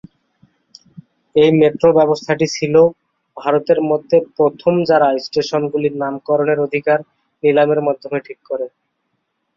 এই মেট্রো ব্যবস্থাটি ছিল ভারতের মধ্যে প্রথম যারা স্টেশনগুলির নামকরণের অধিকার নিলামের মাধ্যমে ঠিক করে।